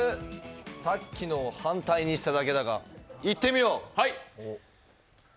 さっきの反対にしただけだが、いってみよう。